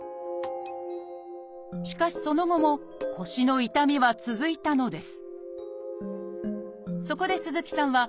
しかしその後も腰の痛みは続いたのです。